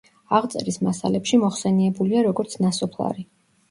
აღწერის მასალებში მოხსენებულია, როგორც ნასოფლარი.